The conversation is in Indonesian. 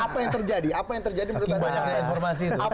apa yang terjadi apa yang terjadi menurut anda informasi